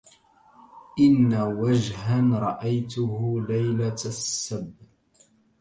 إن وجها رأيته ليلة السب